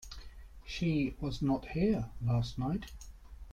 She was not here last night.